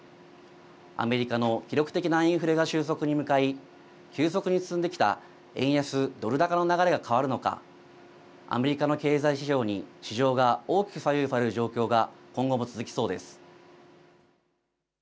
アメリカの記録的なインフレが収束に向かい急速に進んできた円安ドル高の流れが変わるのかアメリカの経済指標に市場が大きく左右される状況が今後も続きそうです。